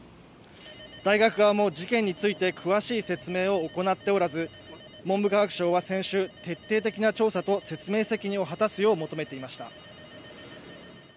大学側も事件について詳しい説明を行っておらず文部科学省は先週、徹底的な調査と説明責任を果たすよう求めていました。